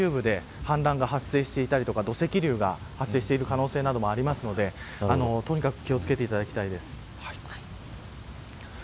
そうすると上流部で氾濫が発生していたりとか土石流が発生している可能性もあるのでとにかく気を付けていただきたいです。